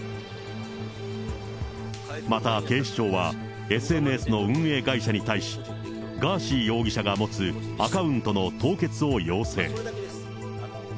また警視庁は、ＳＮＳの運営会社に対し、ガーシー容疑者が持つアカウントの凍結を要請。